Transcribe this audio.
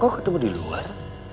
kok ketemu di luar